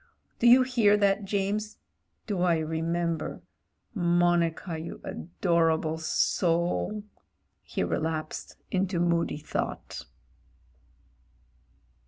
Do you hear that, James? — do I remember? Monica, you adorable soul. ..." He relapsed into moody thought.